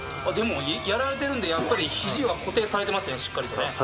あでもやられてるんでやっぱり肘は固定されてますねしっかりとね。